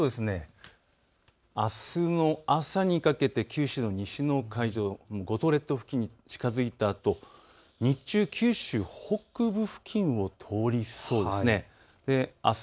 あすの朝にかけて九州の西の海上、五島列島付近に近づいたあと日中、九州北部付近を通りそうです。